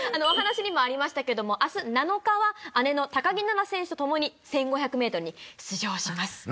お話しにもありましたけれども、あす７日は、姉の高木菜那選手と共に、１５００メートルに出場します。